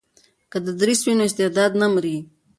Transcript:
که تدریس وي نو استعداد نه مري.